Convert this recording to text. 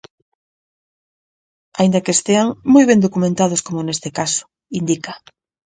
Aínda que estean "moi ben documentadas como neste caso", indica.